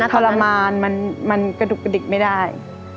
ทรมานมันกระดุกกระดิกไม่ได้